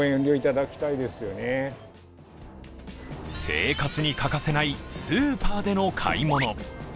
生活に欠かせないスーパーでの買い物。